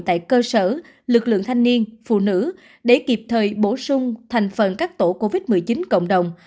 tại cơ sở lực lượng thanh niên phụ nữ để kịp thời bổ sung thành phần các tổ covid một mươi chín cộng đồng